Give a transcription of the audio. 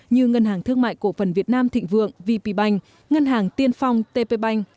như ngân hàng thương mại cộ phần việt nam thịnh vượng vpbank ngân hàng tiên phong tpbank